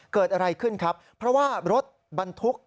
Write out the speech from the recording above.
เกิดอะไรขึ้นครับเพราะว่ารถบรรทุก